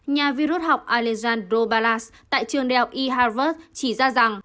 nhà vi rút học alejandro balas tại trường đại học e harvard chỉ ra rằng